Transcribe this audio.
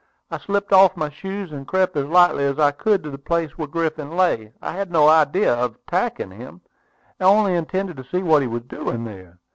I slipped off my shoes, and crept as lightly as I could to the place where Griffin lay. I had no idea of attacking him, and only intended to see what he was doing there.